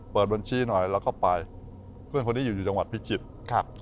เปิดบัญชีหน่อยเราก็ไปเพื่อนคนนี้อยู่อยู่จังหวัดพิจิตรครับ